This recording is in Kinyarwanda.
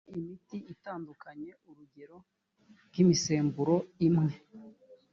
kubaha imiti itandukanye urugero nk imisemburo imwe